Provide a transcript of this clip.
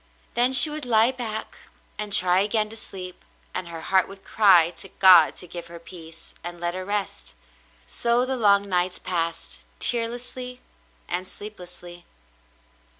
Then she would lie back and try again to sleep, and her heart would cry to God to give her peace, and let her rest. So the long nights passed, tearlessly and sleeplessly.